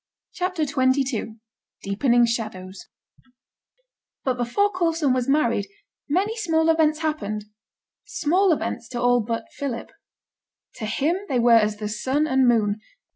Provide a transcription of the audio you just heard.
CHAPTER XXII DEEPENING SHADOWS But before Coulson was married, many small events happened small events to all but Philip. To him they were as the sun and moon.